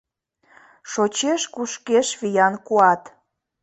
Шочеш, кушкеш виян куат.